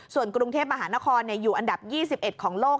ส่วนกรุงเทพมหานครอยู่อันดับ๒๑ของโลก